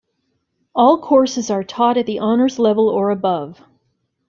All courses are taught at the Honors level or above.